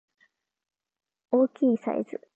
大きいサイズ